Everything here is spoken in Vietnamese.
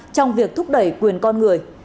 để đẩy quyền con người